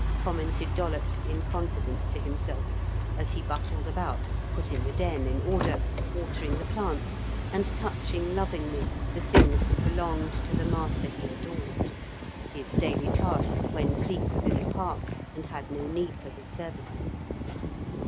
commented Dollops in confidence to himself as he bustled about, putting the Den in order, watering the plants and touching lovingly the things that belonged to the master he adored his daily task when Cleek was in the Park and had no need for his services.